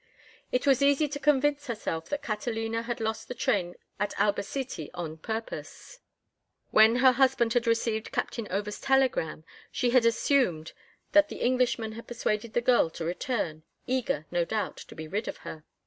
It was easy to convince herself that Catalina had lost the train at Albacete on purpose. When her husband had received Captain Over's telegram she had assumed that the Englishman had persuaded the girl to return, eager, no doubt, to be rid of her.